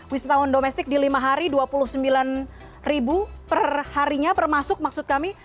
wisatawan domestik di lima hari rp dua puluh sembilan perharinya permasuk maksud kami